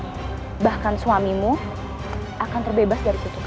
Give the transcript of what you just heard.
kutukan itu adalah yang terbaik untukmu